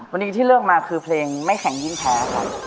วันนี้ที่เลือกมาคือเพลงไม่แข็งยิ่งแพ้ครับ